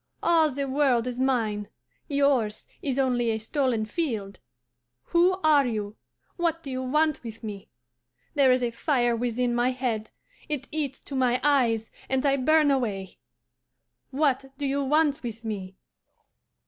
All the world is mine; yours is only a stolen field. Who are you? What do you want with me? There is a fire within my head, it eats to my eyes, and I burn away. What do you want with me?